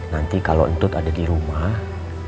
nanti kalau itu ada di rumah